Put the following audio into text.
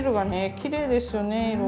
きれいですよね色が。